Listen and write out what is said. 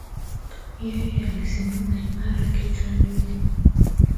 Yeye alisimama imara kichwa juu.